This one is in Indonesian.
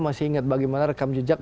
masih ingat bagaimana rekam jejak